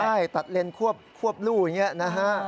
ใช่ตัดเลนควบลู่อย่างนี้นะฮะ